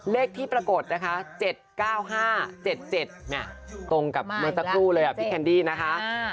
เลขที่ปรากฏนะคะ๗๙๕๗๗ตรงกับเมื่อสักครู่เลยพี่แคนดี้นะคะ